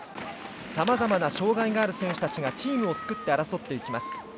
さまざまな障がいがある選手たちがチームを作って争っていきます。